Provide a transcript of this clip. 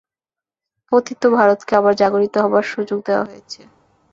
পতিত ভারতকে আবার জাগরিত হবার সুযোগ দেওয়া হয়েছে।